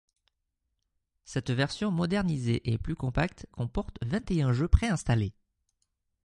Cette version modernisée et plus compacte comporte vingt-et-un jeux préinstallés.